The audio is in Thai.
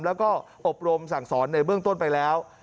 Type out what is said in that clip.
แล้วก็อบรมสั่งสอนในเบื้องต้นไปแล้ว